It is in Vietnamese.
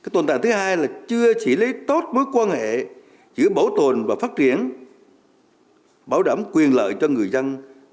tồn tại thứ hai là chưa chỉ lấy tốt mối quan hệ giữa bảo tồn và phát triển bảo đảm quyền lợi cho người dân